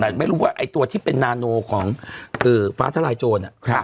แต่ไม่รู้ว่าไอตัวที่เป็นนาโนของคือฟ้าทะลายโจรอ่ะครับ